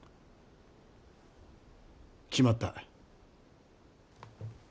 決まった。